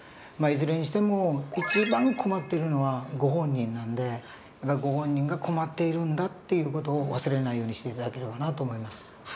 まあいずれにしても一番困っているのはご本人なんでやっぱりご本人が困っているんだっていう事を忘れないようにして頂ければなと思います。